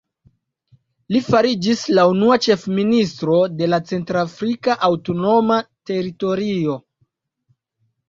Li fariĝis la unua ĉefministro de la centr-afrika aŭtonoma teritorio.